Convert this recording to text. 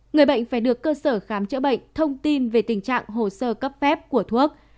người bệnh phải được cơ sở khám chữa bệnh thông tin về tình trạng hồ sơ cấp phép của thuốc